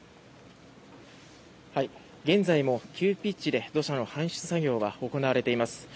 現在も急ピッチで土砂の搬出作業が行われています。